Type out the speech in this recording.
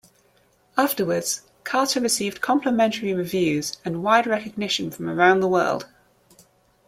Afterwards Carter received complimentary reviews and wide recognition from around the world.